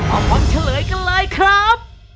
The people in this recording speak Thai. เอาความเฉลยกันเลยครับ